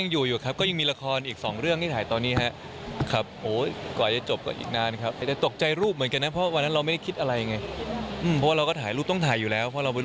ในโทรหาหรืออะไรครับ